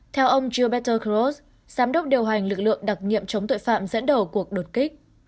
theo ông jobetter kroz giám đốc điều hành lực lượng đặc nhiệm chống tội phạm dẫn đầu cuộc đột kích